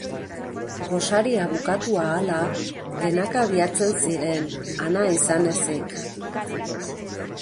Gosaria bukatu ahala, denak abiatzen ziren, Anna izan ezik.